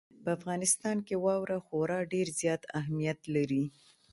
په افغانستان کې واوره خورا ډېر زیات اهمیت لري.